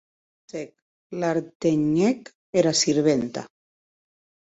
Còp sec, l'artenhec era sirventa.